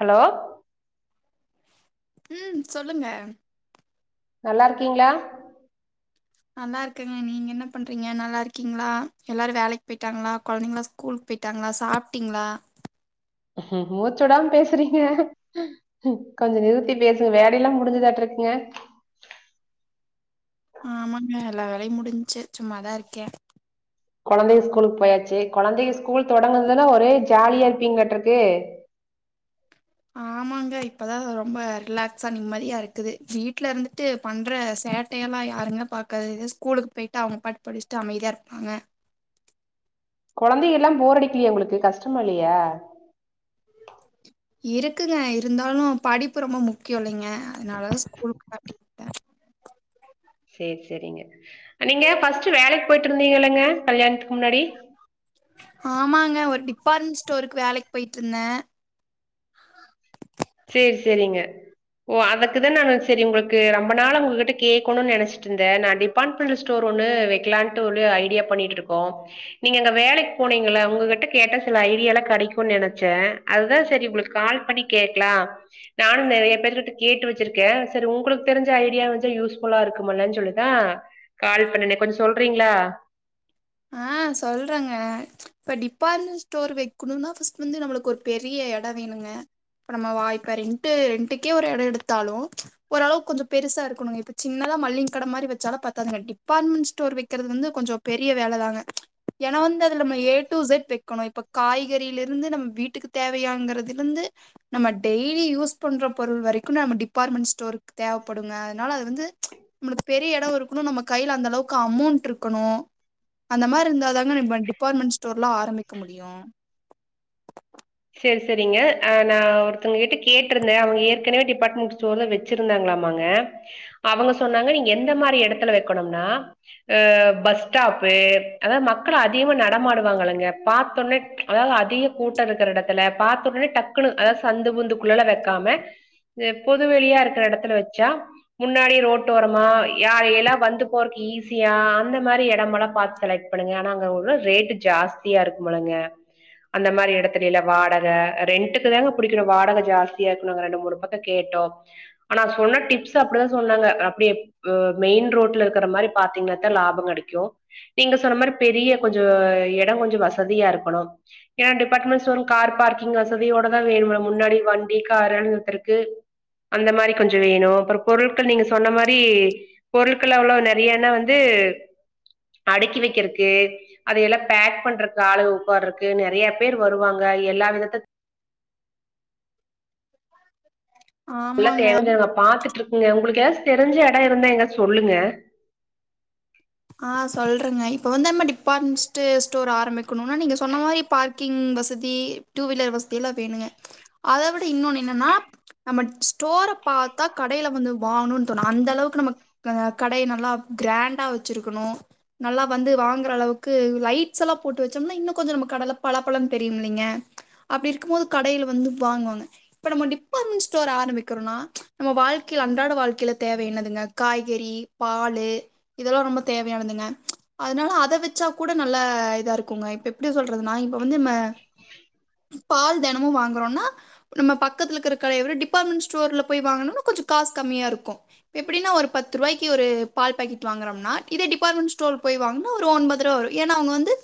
hello ம் சொல்லுங்க நல்லார்க்கீங்ளா நல்லா ர்காங்க நீங்க என்ன பண்றீங்க நல்லா இருக்கீங்ளா எல்லாரு வேலக்கி போய்ட்டாங்ளா கொழந்தைங்ளா கூலுக்கு போயிட்டாங்ளா சாப்டீங்ளா மூச்சுடாம பேசுறீங்க கொஞ்சொ நிறுத்தி பேசுங்க வேலையெல்லா முடிஞ்சதாட்ருக்குங்க ஆமாங்க எல்லா வேலையு முடிஞ்ச்சு சும்மாதா ர்க்கே கொழந்தைக ஸ்கூலுக் போயாச்சு கொழந்தைய ஸ்கூல் தொடங்குதுன்னா ஒரே ஜாலியா இருப்பீங்ளாட்ருக்கு [inaudible] இப்பதா ரொம்ப ரிலாக்ஸா நிம்மதியா இருக்குது வீட்ல இருந்துட்டு பண்ற சேட்டையெல்லா யாருங்க பா ஸ்கூல்கு போயிட்டு அவங்க பாட்டு படிச்சுட்டு அமைதியார்ப்பாங்க கொழந்தைகல்லாம போரடிக்கிலயா உங்களுக்கு கஷ்டமா ல்லியா இருக்குங்க இருந்தாலு படிப்பு ரொம்ப முக்கியொ ல்லேங்க அதனாலதா ஸ்கூல் சேர் செரிங்க நீங்க ஃபஸ்ட்டு வேலக் போயிட்ருந்தீங்கல்லங்க கல்யாணத்துக்கு முன்னாடி ஆமாங்க ஒரு டிபாட்மண் ஸ்டோருக்கு வேலக் போயிட்ருந்த சேர் செரிங்க ஓ அதுக்கு தா நானு சரி உங்களுக்கு ரொம்ப நாளா உங்ககிட்ட கேக்கணுன் நெனசிட்ருந்த நா பன்பில் ஸ்டோர் ஒன்னு வெக்கலான்ட்டு ஒரு ஐடியா பண்ணிட்டுருக்கோ நீங்க அங்க வேலைக்கு போனீங்கள உங்ககிட்ட கேட்ட சில ஐடியாலா கிடைக்குனு நினைச்சேன் அதான் சரி உங்களுக்கு கால் பண்ணி கேக்கலான் நானு நெரய பேரு கிட்ட கேட்டு வச்சிருக்கே சரி உங்களுக்கு தெரிஞ்ச ஐடியா வச்ச யூஸ்ஃபுல்லா இருக்குமல்லன் சொல்லிதான் கால் பண்ணுனே கொஞ்சொ சொல்றீங்ளா ஆ சொல்றேங்க இப்ப டிபார்ட்மெண்ட் ஸ்டோர் வைக்கணுனா ஃபஸ்ட் வந்து நம்மளுக்கு ஒரு பெரிய இடம் வேணுங்க ப்ப நம்ம வாய்ப்பே ரெண்டு ரெண்டுக்கே ஒரு இட எடுத்தாலு ஓரளவு கொஞ்ச பெருசா இருக்கணுங்க இப்ப சின்னதா மல்லிங்கடை மாறி வச்சால பத்தாதுங்க டிபார்ட்மெண்ட் ஸ்டோர் வைக்றது வந்து கொஞ்ச பெர் பெரிய வேல தாங்க ஏன்னா வந்து அதுல நம்ம ஏ டு செட் வெக்கணு இப்ப காய்கறில இருந்து நம்ம வீட்டுக்கு தேவையாங்கறதுல இருந்து நம்ம டெய்லி யூஸ் பண்ற பொருள் வரைக்கு நம்ம டிபார்ட்மெண்ட் ஸ்டோர்கு தேவப்படுங்க அதனால அது வந்து நம்மளுக்கு பெரிய இட இருக்கணு நம்ம கைய்ல அந்த அளவுக்கு அமௌண்ட் இருக்கணு அந்த மாறி இருந்தாதாங்க நம்ம டிபார்ட்மெண்ட் ஸ்டோர்ல்லா ஆரம்பிக்க முடியும் சரி சரிங்க நா ஒருத்தங்க கிட்ட கேட்டிருந்தேன் அவங்க ஏற்கனவே டிபார்ட்மெண்ட் ஸ்டோர்ல வெச் ச்சிருந்தாங்களாமாங்க அவங்க சொன்னாங்க நீங்க எந்த மாறி எடத்துல வெக்கணும்னா அ பஸ் ஸ்டாப்பு அதாவ மக்கள் அதிகமா நடமாடுவாங்கல்லங்க பாத்தோனே அதாது அதிக கூட்ட இருக்குற இடத்துல பாத்த உடனே டக்குனு அதாது சந்து புந்து குள்ளலா வெக்காம எப் பொது வெளியா இருக்குற இடத்துல வெச்சா முன்னாடி ரோட்டோரமா யா எல்லா வந்து போறதுக்கு ஈஸியா அந்த மாறி இடமலாம் பாத்து செல பண்ணுங்க ஆனா அங்க உள்ள ரேட்டு ஜாஸ்தியா இருக்குமில்லங்க அந்த மாறி இடத்துல எல்லா வாடக ரெண்டுக்கு தாங்க புடிக்கணு வாடக ஜாஸ்தியா இருக்கணு நாங்க ரெண்டு மூணு பக்கம் கேட்டோம் ஆனா சொன்ன டிப்ஸ் அப்டிதா சொன்னாங்க அப்டியே மெயின் ரோட்ல இருக்குற மாறி பாத்தீங்கன்னாத்த லாபம் கிடைக்கும் நீங்க சொன்ன மாறி பெரிய கொஞ்ச இட கொஞ்ச வசதியா இருக்கணு ஏன்னா டிபார்ட்மெண்டல் ஸ்டோர் கார் பார்க்கிங் வசதியோட தா வேணுமா முன்னாடி வண்டி கார் எல்ல நிறுத்தறதுக்கு அந்த மாறி கொஞ்ச வேணு அப்புற பொருட்கள் நீங்க சொன்ன மாறி பொருட்கள அவ்ளொ நிறையன வந்து அடுக்கி வெக்றக்கு அது எல்லா பேக் பண்றக்கு ஆளு உட்கார்ருக்கு நெறைய பேர் வருவாங் எல்லா விதத்த நல்லா ஆமாங்க தெரிஞ்சங்க பாத்துட்டு இருக்கங்க உங்களுக்கு ஏதாச்சு தெரிஞ்ச இட இருந்தா எங்க சொல்லுங்க ஆ சொல்றங்க இப்ப வந்து நம்ம டிபார்ட்மெண்ட் ஸ்டோர் ஆரம்பிக்கணுனா நீங்க சொன்ன மாறி ப க்கிங் வசதி டூ வீலர் வசதி எல்லா வேணுங்க அத விட இன்னொன்னு என்னன்னா நம்ம ஸ்டோர பாத்தா கடைல வந்து வாங்கணுன்னு தோணு அந்த அளவுக்கு நம்ம அ கடைய நல்லா க்ராண்டா வச்சிருக்கணு நல்லா வந்து வாங்குற அளவுக்கு லைட்ஸ் எல்லா போட்டு வச்சோம்னா இன்னு கொஞ்ச நம்ம கடல பல பல தெரியும்ல்லிங்க அப்டி இருக்கு போது கடையில வந்து வாங்குவாங்க இப்ப நம்ம டி டிபார்ட்மென்டல் ஸ்டோர் ஆரம்பிக்றோம்னா நம்ம வாழ்க்கைல அன்றாட வாழ்க்கைல தேவை என்னதுங்க காய்கறி பாலு இதெல்லா ரொம்ப தேவையானதுங்க அதனால அத வெச்சா கூட நல்ல இதா இருக்குங்க இப்ப எப்டி சொல்றதுனா இப்ப வந்து நம்ம பால் தினமு வாங்கறோம்னா நம்ம பக்கத்துல இருக்கிற கடையவிட டிபாட்மெண்ட் ஸ்டோர்ல போய் வாங்கனு கொஞ்ச காசு கம்மியா இருக்கும் அப்டின்னா ஒரு பத்து ரூவாய்க்கு ஒரு பால் பாக்கெட் வாங்குறோம்னா இதே டிபார்ட்மெண்ட் ஸ்டோல போய்ங்கன்னா ஒரு ஒன்பது ரூபா வரு ஏன்னா அவங்க வந்து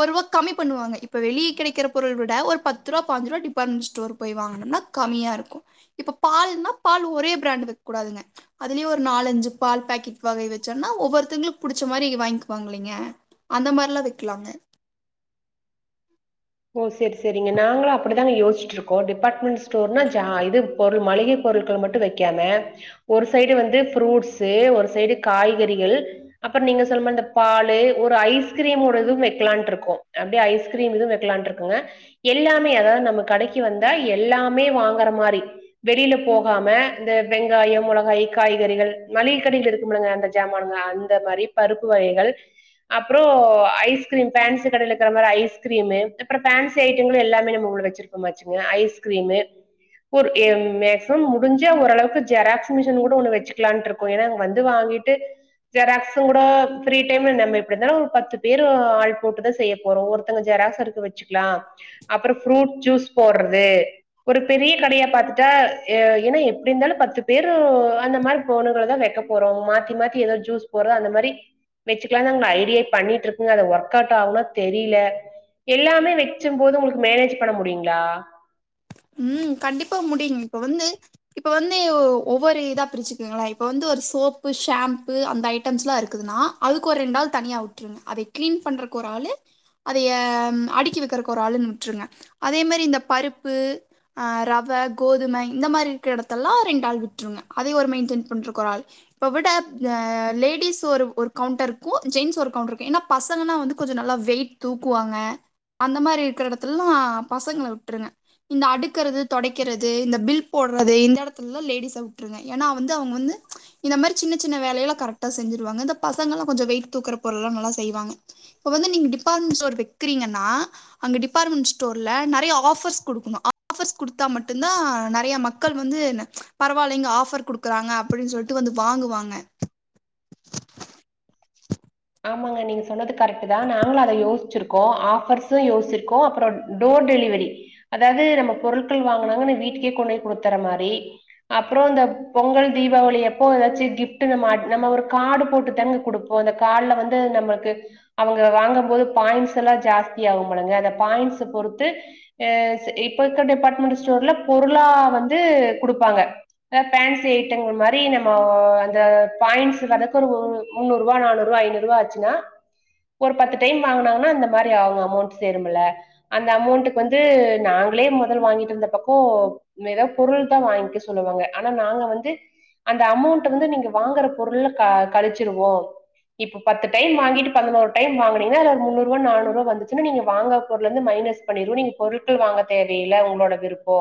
ஒரு ரூவா கம்மி பண்ணுவாங்க இப்ப வெளிய கிடைக்கிற பொருளவிட ஒரு பத்து ரூா பாஞ்சு ரூா டிபார்ட்மெண்ட் ஸ்டோர் போய் வாங்கனா கம்மியா இருக்கும் இப்ப பால்னா பால் ஒரே பிராண்ட் வெக்க கூடாதுங்க அதுலயு ஒரு நாலஞ்சு பால் பாக்கெட் வகை வைச்சோன்னா ஒவ்வொருத்தங்ளுக் புடிச்ச மாரி ங் வாங்கிக்குவாங்ல்லைங்க அந்த மாரிலா வக்கலாங்க ஓ சரி சரிங்க நாங்களு அப்டித்தாங்க யோசச்சிட்ருக்கோ டிபார்ட்மெண்ட் ஸ்டோர்னா ஜா இது பொருள் மளிகை பொருள் மட்டு வக்காம ஒரு சைடு வந்து ஃப்ரூட்ஸ்சு ஒரு சைடு காய்கறிகள் அப்ப நீங்க சொல் மா இந்த பாலு ஒரு ஐஸ்கிரீம்மோடதும் வக்கலான்ருக்கோ அப்டியே ஐஸ்கிரீம் இது வக் க்கலான்ருக்குங்க எல்லாமே அதாது நம்ம கடைக்கு வந்தா எல்லாமே வாங்கற மாரி வெளில போகாம இந்த வெங்காயம் மொளகாய் காய்கறிகள் மளிக கடைள இருக்குமில்லங்க அந்த சமானங்க அந்த மாரி பருப்பு வகைகள் அப்றோ ஐஸ்கிரீம் பேன்ஸ்சி கடைல இருக்குற மாரி ஐஸ்கிரீமு அப்பற பேன்சி ஐட்டங்களு எல்லாமே நம்ம உள்ள வச்சிருகோம் வச்சிங்க ஐஸ்கிரீமு ஒரு ஏ மேக்சிமம் முடிஞ்சா ஓரளவுக்கு ஜெராக்ஸ்சு மிஷின் கூட ஒன்னு வச்சுக்லான்ட்ருக் கு ஏனா அங்க வந்து வாங்கிட்டு ஜெராக்ஸ்சுங் கூட ஃப்ரீ டைம்ல நம்ம இப்டி தாபத்து பேரு ஆள் போட்டுதா செய்ய போறோம் ஒருத்தங்க ஜெராக்ஸ் எடுக்க வச்சுக்லா அப்றோ ஃப்ரூட் ஜூஸ் போட்றது ஒரு பெரிய கடையா பாத்துட்டா ஏனா எப்டி இருந்தாலு பத்து பேரு அந்த மாரி போனுங்கறதா வேக்க போறோம் மாத்தி மாத்தி ஏதா ஜூஸ் போட்றது அந்த மாரி வச்சுக்கலான் நாங்க ஐடியா பண்ணிட்ருக்குங்க அது ஒர்க் அவுட் ஆவுனா தெரில எல்லாமே வச்சும்போது உங்களுக்கு மேனேஜ் பண்ண முடியுங்ளா ம் கண்டிப்பா முடியுங்க இப்ப வந்து இப்ப வந்து ஒவ்வொரு இதா பிரிச்சுக்குங்ள இப்ப வந்து ஒரு சோப்பு ஷாம்பு அந்த ஐட்டம்ஸ்லா இருக்குதுன்னா அதுக்கு ஒரு ரெண் நாள் தனியா வுட்ருங்க அதை கிளீன் பண்றக் ஒரு ஆளு அதய அடுக்கி வக்கறக்கு ஒரு ஆளுன் விட்டுருங்க அதே மாரி இந்த பருப்பு ஆ ரவ கோதும இந்த மாரி இருக்க எடத்தெல்லா ஓர் ரெண்டு ஆள் விட்டுருங்க அதே ஒரு மெயின்டெயன் பண்றக்கு ஒரு ஆள் இப்ப விட லேடிஸ் ஒரு ஒரு கவுண்டர்க்கு ஜென்ஸ் ஒரு கவுண்டர்ரக்கு ஏனா பசங்கல்லா வந்து கொஞ்ச நல்லா வெயிட் தூக்குவாங்க அந்த மாரி இருக்ற எடத்துல்லலா பசங்கள விட்ருங்க இந்த அடுக்கறது தொடைக்கறது இந்த பில் போட்றது இந்த எடத்துலலா லேடிஸ விட்ருங்க ஏனா வந்து அவுங்க வந்து இந்த மாரி சின்ன சின்ன வேலையல்லா கரெக்டா செஞ்சிருவாங்க இந்த பசங்கல்லா கொஞ்ச வெயிட் தூக்குற பொருள்லா நல்லா செய்வாங்க இப்ப வந்து நீங் டிபார்ட்மெண்ட் ஸ்டோர் வக்கிறீங்கன்னா அங்க டிபார்ட்மெண்ட் ஸ்டோர்ல நறைய ஆஃபர்ஸ் குடுக்குணு ஆஃபர்ஸ் குடுத்தா மட்டுதா நறையா மக்கள் வந்து பரவால்ல இங்க ஆஃபர் குடுக் க்றாங்க அப்டின் சொல்ட்டு வந்து வாங்குவாங்க ஆமாங்க நீங்க சொன்னது கரெக்ட்டு தா நாங்களு அத யோசிச்சிர்க்கோ ஆஃபர்ஸு யோச்சிருக்கோ அப்றோ டோர் டெலிவரி அதாது நம்ம பொருள்கள் வாங்கனாங்கனா வீட்டுக்கே கொண்டு போய் குடுத்தற மாரி அப்றோ இந்த பொங்கல் தீபாவளி அப்போ ஏதாச்சு கிஃப்ட் நம்ம நம்ம ஒரு காடு போட்டு தாங்க குடுப்போ அந் காட்ல வந்து நம்மளுக்கு அவங்க வாங்கம்போது பாயின்ஸ்சல்லா ஜாஸ்தி ஆகுமில்லங்க அந்த பாயின்ஸ்ச பொறுத்து அ இப்ப இருக்க டிபார்ட்மெண்ட் ஸ்டோர்ல பொருளா வந்து குடுப்பாங்க பேன்சி ஐட்டங்கள் மாரி நம்மோ அந்த பாயிண்ட்ஸ்சுகதக்கு ஒரு முன்னுறூ ரூபா நானுநூ ரூவா ஐநூறு ரூவா ஆச்சுன்னா ஒரு பத்து டைம் வாங்குனாங்கன்னா அந்த மாரி ஆவும் அமௌண்ட் சேருமில்ல அந்த அமௌண்ட்டுக்கு வந்து நாங்களே மொதல் வாங்கிட்டு வந்த பக்கோ நம்ம ஏதா பொருள் தா வாங்க்க சொல்லுவாங்க ஆனா நாங்க வந்து அந்த அமௌண்ட்ட வந்து நீங்க வாங்கற பொருள்ள க கழிச்சிருவோ இப்போ பத்து டைம் வாங்கிட்டு பதினோர் டைம் வாங்குனிங்கனா அதுல முன்னூரூவா நானூரூவா வந்துச்சினா நீங்க வாங்க பொருள்லேருந்து மைனஸ் பண்ணிருவோ நீங்க பொருட்கள் வாங்க தேவயில்ல உங்களோட விருப்போ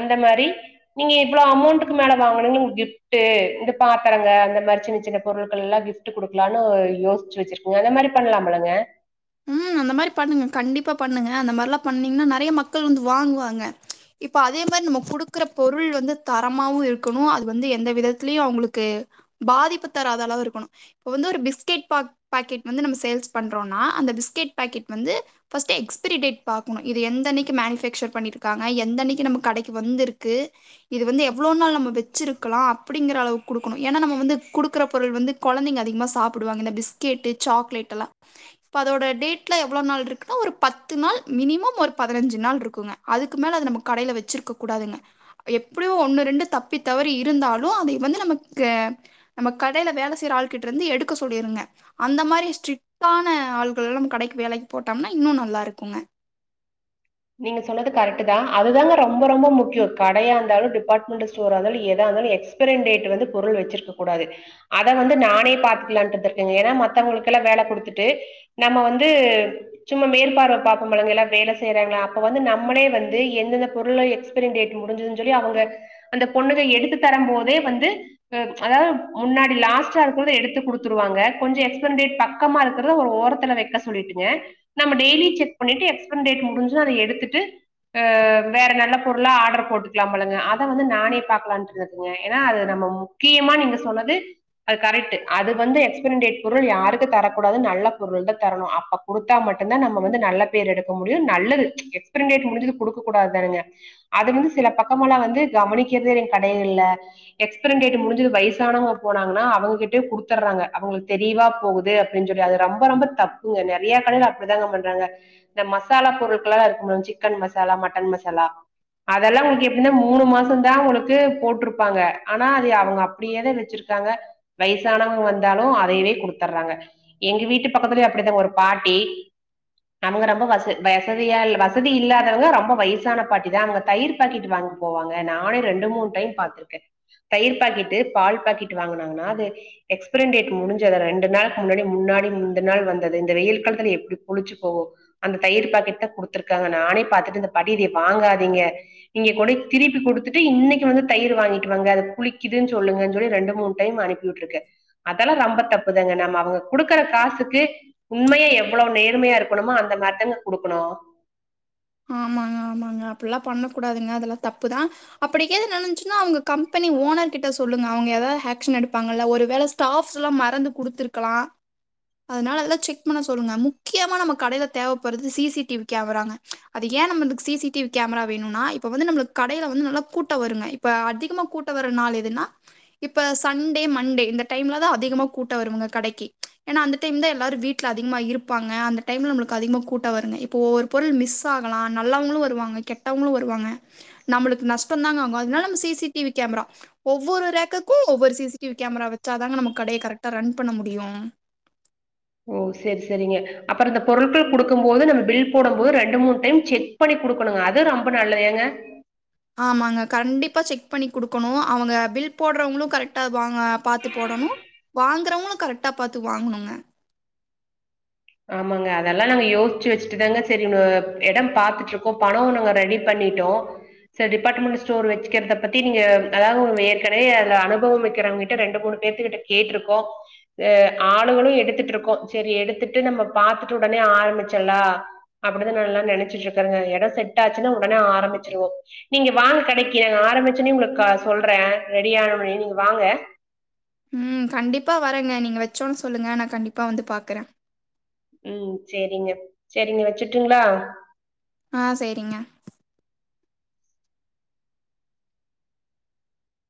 அந்த மாரி நீங்க இவ்ளோ அமௌண்ட்டுக்கு மேல வாங்குனிங் [unintelligible] கிஃப் டு இந்த பாத்தரங்க அந்த மாரி சின்னச் சின்ன பொருட்கள்லா கிஃப்ட்டு குடு க்கலான்னு யோசிச்சு வச்சிருக்கங்க அந்த மாரி பண்லாமுலங்க ம் அந்த மாரி பண்ணுங்க கண்டிப்பா பண்ணுங்க அந்த மார்லா பண்ணீங்கன்னா நறைய மக்கள் வந்து வாங்குவாங்க இப்போ அதே மாரி நம்ம குடுக்குற பொருள் வந்து தரமாவு இருக்கணு அது வந்து எந்த விதத்துலயு அவ்ங்களுக்கு பாதிப்பு தராதளவு இருக்கணு இப்ப வந்து ஒரு பிஸ்கெட் பாக் பாக்கெட் வந்து நம்ம சேல்ஸ் பண்றோன்னா அந்த பிஸ்கெட் பாக்கெட் வந்து ஃபஸ்ட்டு எக்ஸ்பிரி டேட் பாக்கணு இது எந்த அன்னக்கி மேனுஃபேக்சர் பண்ணிருக்காங்க எந்தன்னக்கி நம்ம கடக்கி வந்துருக்கு இது வந்து எவ்ளோ நாள் நம்ம வச்சிருக்கலா அப்டிங்கற அளவுக் குடுக்குணு ஏன்னா நம்ம வந்து குடுக்குற பொருள் வந்து கொழந்தைங்க அதிகமாக சாப்புடுவாங்க இந்த பிஸ்கெட்டு் சாக்லேட்டெல்லா [unintelligible] இப்ப அதோட டேட்லா எவ்ளோ நாள் இருக்குனா ஒரு பத்து நாள் மினிமம் ஒரு பதினஞ்சு நாள் இருக்குங்க அதுக்கு மேல அது நம்ம கடயில வச்சிருக்கக் கூடாதுங்க எப்டியோ ஒண்ணு ரெண்டு தப்பி தவறி இருந்தாலு அதைய வந்து நமக்கு நம்ம கடையில வேல செய்ற ஆள் கிட்டர்ந்து எடுக்க சொல்லிருங்க அந்த மாரி ஸ்ட்ரிட்டான ஆள்கள்லா நம்ம கடைக்கு வேலைக் போட்டோம்னா இன்னு நல்லா இருக்குங்க நீங்க சொன்னது கரெக்ட்டுதா அதுதாங்க ரொம்ப ரொம்ப முக்கியொ கடையா இருந்தாலு டிபார்ட்மெண்டல் ஸ்டோரா இருந்தாலு எதா இருந்தாலு எக்ஸ் பெரிண் டேட்ட வந்து பொருள் வெச்சிருக்க கூடாது அத வந்து நானே பாத்துக்லான்ட்ந்த்ருக்கங்க ஏன்னா மத்தவங்களுக்கெல்லா வேல குடுத்துட்டு நம்ம வந்து சும்மா மேற்பார்வ பாப்போமுளங்க எல்லா வேல செய்றாங்களா அப்ப வந்து நம்மளே வந்து எந்தெந்த பொருளோ எக்ஸ்ப்பரின் டேட் முடிஞ்சுதுன் சொல்லி அவுங்க அந்த பொண்ணுக எடுத்து தரம் போதே வந்து ம் அதாது முன்னாடி லாஸ்ட்டா இருக்கத எடுத்து குடுத்துருவாங்க கொஞ்சொ எக்ஸ்ப்ரஸ் டேட் பக் கமா இருக்குறத ஒரு ஓரத்துல வெக்க சொல்லிட்டுங்க நம்ம டெய்லி செக் பண்ணிட்டு எக்ஸ்பரின் டேட் முடிஞ் சா அத எடுத்துட்டு ஆ வேற நல்ல பொருளா ஆட்ரு போட்டுக்லாமுலங்க அத வந்து நானே பாக்கலான்ட்டு இருந்துக்குங்க ஏன்னா அது நம்ம முக்கியமா நீங்க சொன்னது அது கரெக்ட்டு அது வந்து எக்ஸ்பரின் டேட் பொருள் யாருக்கு தரக்கூடாது நல்ல பொருள்‌ தா தர்ணு அப்ப குடுத்தா மட்டுந்தா நம்ம வந்து நல்ல பேர் எடுக்க முடியு நல்லது எக்ஸ்ப்பரின் டேட் முடிஞ்சது குடுக்க கூடாதுதானுங்க அது வந்து சில பக்கமல்லா வந்து கவனிக்கெற்தே இல்லைங் கடைகள்ல எக்ஸ்ப்ரிண் டேட்டு முடிஞ்சது வயசானவங்க போனாங்கன்னா அவங்ககிட்டயே குடுத்தர்றாங்க அவங்களுக்கு தெரீவா போவுது அப்டீன் சொல்லி அது ரொம்ப ரொம்ப தப்புங்க நறையா கடைல அப்டித்தாங்க பண்றாங்க இந்த மசாலா பொரு ட்களலா இருக்குமுல சிக்கன் மசாலா மட்டன் மசாலா அதெல்லா உங்களுக்கு எப்டினா மூணு மாசந்தா உங்களுக்கு போட்ருப்பாங்க ஆனா அது அவங்க அப்டியேதா வச்சிரு காங்க வயசானவங் வந்தாலு அதவயே குடுத்தர்றாங்க எங்க வீட்டு பக்கத்துலயு அப்டிதா ஒரு பாட்டி அவுங்க ரொம்ப வச வய சதியா இல்ல வசதி இல்லதவங்க ரொம்ப வைசான பாட்டி தா அவங்க தயிர் பாக்கெட்டு வாங்கின் போவாங்க நானே ரெண்டு மூண் டைம் பாத் த்ருக்கே தயிர் பாக்கெட்டு பால் பாக்கெட் வாங்குனாங்கன்னா அது எக்ஸ்ப்ரின் டேட் முடிஞ்சத ரெண்டு நாளுக் முன்னாடி முன்னாடி முந்தன் நாள் வந்தது இந்த வெயில் காலத்ல எப்டி புளிச்சு போவு அந்த தயிர் பாக்கெட் தா குடுத்ருக்காங்க நானே பாத்துட்டு இந்த பாட்டி இதை வாங்காதீங்க இங்க கூட திருப்பி குடுத்துட்டு இன்னைக்கி வந்த தயிர் வாங்கிட்டு வாங்க அது புளிக்கிதுன் சொல்லுங்கன் சொல்லி ரெண்டு மூண் டைம் அனுப் பி உட்ருக்க அதெல்லா ரம்ப தப்புதாங்க நம் அவங்க குடுக்குற காசுக்கு உண்மையா எவ்வளோ நேர்மையா இருக்கணுமோ அந்த மார்தாங்க குடுக்குணு ஆமாங்க ஆமாங்க அப்புல்லா பண்ண கூடாதுங்க அதெல்லா தப்புதா அப்டிகேது நடந்துச்சுன்னா அவ்ங்க கம்பெனி ஓனர் கிட்ட சொல்லுங்க அவ்ங்க ஏதா ஹேக்ஷன் எடுப்பாங்கல்ல ஒரு வேல ஸ் டாஃப்ஸ்லா மறந்து குடுத்துர்க்கலா அதனால அதெல்லா செக் பண்ண சொல்லுங்க முக்கியமா நம்ம கடைல தேவப்பட்றது சி சி டி வி கேமராங்க அது ஏ நம்மளுக்கு C C T V camera வேணுனா இப்ப வந்து நம்ம கடைல வந்து நல்லா கூட்ட வருங்க இப்ப அதிகமா கூட்ட வர்ற நாள் எதுனா இப்ப சண்டே மண்டே இந்த டைம்ல தா அதிகமா கூட்ட வருவ்ங்க கடைக்கு ஏனா அந்த டைம் தா எல்லாரு வீட் ட்ல அதிகமா இருப்பாங்க அந்த டைம்ல நம்மளுக்கு அதிகமாக கூட்ட வருங்க இப்போ ஒரு பொருள் மிஸ் ஆகலா நல்லவங்களு வருவாங்க கெட்டவங்களு வருவாங்க நம்மளுக்கு நஷ்டந் தாங்க அவ்ங்க அதனால நம்ம C C T V camera ஒவ்வொரு ரேக்குக்கு ஒவ்வொரு C C T V camera வச்சாதாங்க நம்ம கடைய கரெக்டா ரன் பண்ண முடியு ஓ சேரி சேரிங்க அப்பற இந்த பொருட்கள் குடுக்கும் போது நம்ம பில் போடம் போது ரெண்டு மூணு டைம் செக் க் பண்ணி குடுக்கணுங்க அது ரொம்ப நல்லது ஏங்க ஆமாங்க கண்டிப்பா செக் பண்ணி குடுக்கணு அவுங்க பில் போட்றவங்களு கரெக்டா வாங்க பாத்து போடணு வாங்குறவ்ங்களு கரெக்டா பாத்து வாங்கணுங்க ஆமாங்க அதெல்லா நாங்க யோசிச்சு வச்சுட்டு தாங்க சேரினு எடம் பாத்துட்ருக்கோ பணோ நாங்க ரெடிப் பண்ணிட்டோ செரி டிபார்ட்மெண்ட்டு ஸ்டோரு வெச்சுக்கிறத பத்தி நீங்க அதாவ்து உங் ஏற்கனவே அதுல அனுபவம் வேக்கிறவ்ங்க்கிட்ட ரெண்டு மூணு பேத்துக்கிட்ட கேட்ருக்கோ அ ஆளுகளு எடுத்துட்ருக்கோ சேரி எடுத்துட் ட்டு நம்ம பாத்துட்டு உடனே ஆரம்மிச்சிர்லா அப்டிதா நால்லா நெனைச்சிட்ருக்கறங்க எட செட் ஆச்சுனா உடனே ஆரம்மிச்சிருவோ நீங்க வாங்க கடைக்கு நாங்க ஆரம்மிச்சோனே உங்களுக்கா சொல்றே ரெடி ஆன ஒட்னே நீங்க வாங்க ம் கண்டிப்பா வரேங்க நீங்க வச்சோன்ன சொல்லுங்க நா கண்டிப்பா வந்து பாக்குறே ம் சேரிங்க சேரிங்க வச்சுருட்டுங்ளா ஆ சேரிங்க